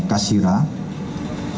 ini adalah sopir truk tangki bbm